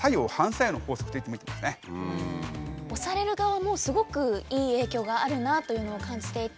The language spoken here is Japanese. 推される側もすごくいい影響があるなというのを感じていて。